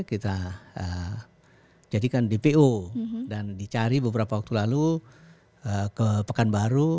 kita jadikan dpo dan dicari beberapa waktu lalu ke pekanbaru